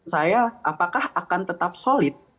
saya apakah akan tetap solid